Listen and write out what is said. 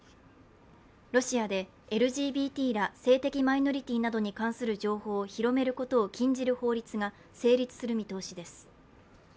ロシアでＬＧＢＴら性的マイノリティーなどに関する情報を広めることを禁じる法律が成立する見通しです。